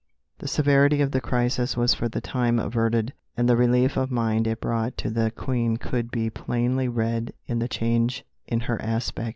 The severity of the crisis was for the time averted, and the relief of mind it brought to the Queen could be plainly read in the change in her aspect.